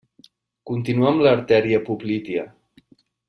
Continua amb l'artèria poplítia.